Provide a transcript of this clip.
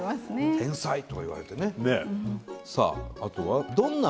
天才とか言われてね。